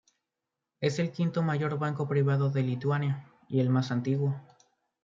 Es el quinto mayor banco privado de Lituania y el más antiguo.